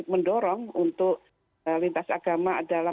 mendorong untuk lintas agama adalah